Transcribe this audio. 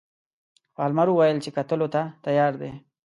پالمر وویل چې کتلو ته تیار دی.